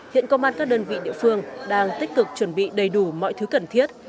hiện công an các đơn vị địa phương đang tích cực chuẩn bị đầy đủ mọi thứ cần thiết